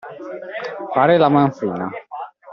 Fare la manfrina.